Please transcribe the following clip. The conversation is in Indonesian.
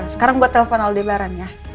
sekarang gue telpon aldebaran ya